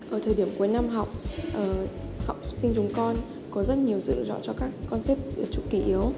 ở thời điểm cuối năm học học sinh chúng con có rất nhiều sự rõ cho các concept chụp kỷ yếu